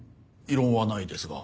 異論はないですが。